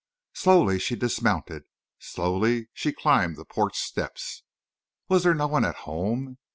Slowly she dismounted—slowly she climbed the porch steps. Was there no one at home?